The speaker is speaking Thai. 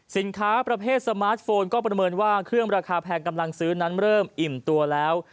สินค้าประเภทสมาร์ทโฟนก็ประเมินว่าเครื่องราคาแพงกำลังซื้อนั้นเริ่มอิ่มตัวแล้ว